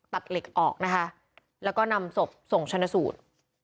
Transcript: ตัดเหล็กออกนะคะแล้วก็นำศพส่งชนะสูตร